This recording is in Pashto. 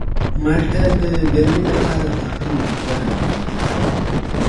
مالټه د ګرمۍ لپاره تر ټولو غوره مېوه ده.